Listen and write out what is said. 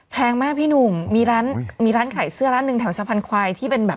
ทั้งแม่พี่หนุ่มมีร้านมีร้านขายเสื้อร้านนึงแถวเชาะพันธุ์ควายที่เป็นแบบ